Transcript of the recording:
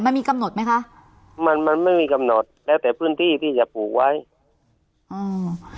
มันมีกำหนดไหมคะมันมันไม่มีกำหนดแล้วแต่พื้นที่ที่จะปลูกไว้อืม